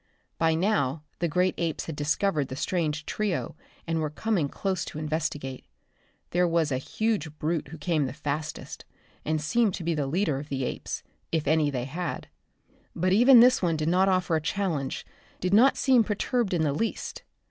By now the great apes had discovered the strange trio and were coming close to investigate. There was a huge brute who came the fastest and seemed to be the leader of the apes, if any they had. But even this one did not offer a challenge, did not seem perturbed in the least.